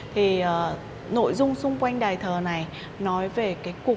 thì nội dung xung quanh đài thờ này nói về cái cục đá của mỹ sơn này là